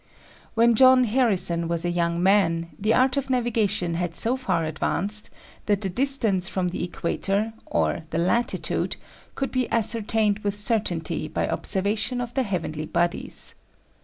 When John Harrison was a young man, the art of navigation had so far advanced that the distance from the equator, or the latitude, could be ascertained with certainty by observation of the heavenly bodies.